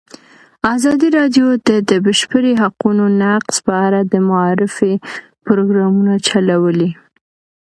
ازادي راډیو د د بشري حقونو نقض په اړه د معارفې پروګرامونه چلولي.